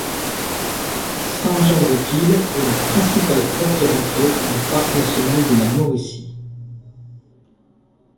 Saint-Jean-des-Piles est la principale porte d'entrée du Parc national de la Mauricie.